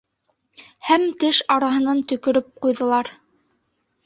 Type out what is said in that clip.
Һәм теш араһынан төкөрөп ҡуйҙылар.